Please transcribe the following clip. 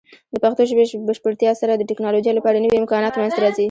د پښتو ژبې بشپړتیا سره، د ټیکنالوجۍ لپاره نوې امکانات منځته راځي.